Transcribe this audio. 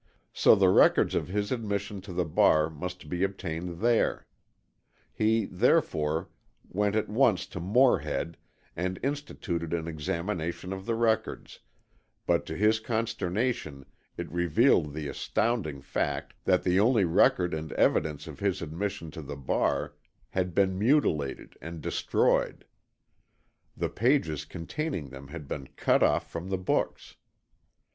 So the records of his admission to the bar must be obtained there. He, therefore, went at once to Morehead and instituted an examination of the records, but to his consternation it revealed the astounding fact that the only record and evidence of his admission to the bar had been mutilated and destroyed; the pages containing them had been cut out from the books.